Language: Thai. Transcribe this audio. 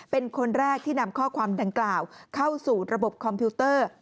เป็นคนแรกที่นำข้อความดังกล่าวเข้าสู่ระบบคอมพิวเตอร์